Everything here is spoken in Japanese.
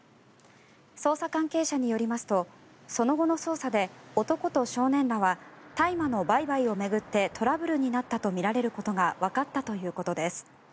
捜査関係者によりますとその後の捜査で男と少年らは大麻の売買を巡ってトラブルになったとみられることがわかったということです。